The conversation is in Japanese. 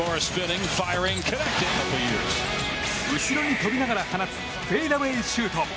後ろに飛びながら放つフェイダウェイシュート。